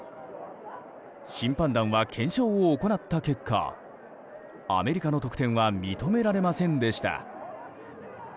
審判団が検証を行った結果アメリカの得点は認められませんでした。